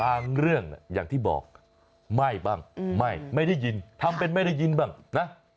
เรื่องอย่างที่บอกไหม้บ้างไหม้ไม่ไม่ได้ยินทำเป็นไม่ได้ยินบ้างนะ